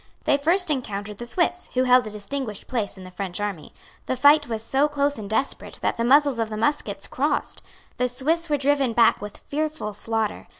They first encountered the Swiss, who held a distinguished place in the French army. The fight was so close and desperate that the muzzles of the muskets crossed. The Swiss were driven back with fearful slaughter.